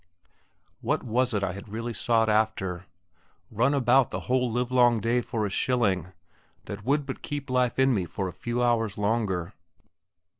What was it I had really sought after? Run about the whole live long day for a shilling, that would but keep life in me for a few hours longer.